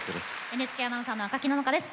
ＮＨＫアナウンサーの赤木野々花です。